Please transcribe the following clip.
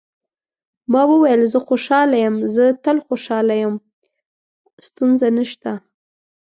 ما وویل: زه خوشاله یم، زه تل خوشاله یم، ستونزه نشته.